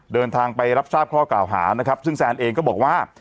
เดินทางไปรับทราบข้อกล่าวหานะครับซึ่งแซนเองก็บอกว่า